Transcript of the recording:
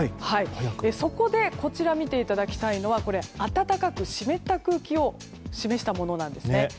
そこで、見ていただきたいのが暖かく湿った空気を示したものです。